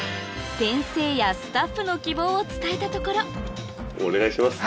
先生やスタッフの希望を伝えたところお願いします。